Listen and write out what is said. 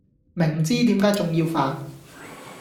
明知點解重要犯?